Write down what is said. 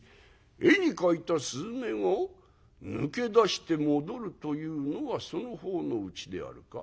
「絵に描いた雀が抜け出して戻るというのはその方のうちであるか？」。